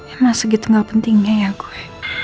emang segitu gak pentingnya ya kok